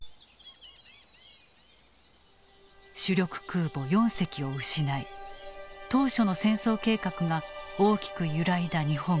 主力空母４隻を失い当初の戦争計画が大きく揺らいだ日本軍。